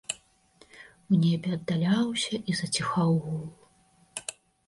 У небе аддаляўся і заціхаў гул.